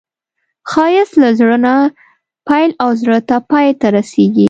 ښایست له زړه نه پیل او زړه ته پای ته رسېږي